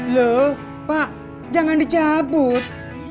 loh pak jangan dicabut